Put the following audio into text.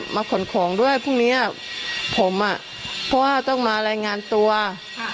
ขนของด้วยพรุ่งเนี้ยผมอ่ะเพราะว่าต้องมารายงานตัวค่ะ